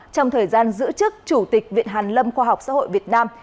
trong thời gian giữ chức chủ tịch viện hàn lâm khoa học xã hội việt nam